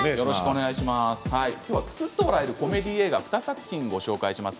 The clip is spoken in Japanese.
くすっと笑えるコメディー映画を２作品をご紹介します。